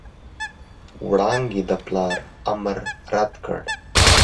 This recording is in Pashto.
وړانګې د پلار امر رد کړ.